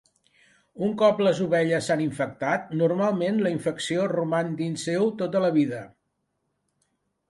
Un cop les ovelles s'han infectat, normalment la infecció roman dins seu tota la vida.